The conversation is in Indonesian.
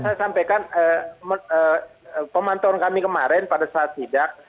ya itu tadi saya sampaikan eee eee pemantauan kami kemarin pada saat sidak